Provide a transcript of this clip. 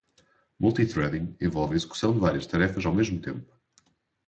Multithreading envolve a execução de várias tarefas ao mesmo tempo.